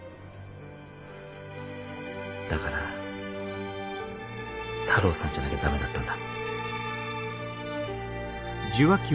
だから太郎さんじゃなきゃ駄目だったんだ。